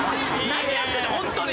何やってんだホントに。